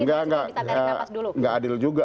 enggak enggak enggak enggak adil juga